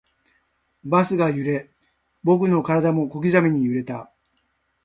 バスが揺れ、僕の体も小刻みに揺れた